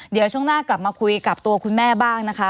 เดี๋ยวช่วงหน้ากลับมาคุยกับตัวคุณแม่บ้างนะคะ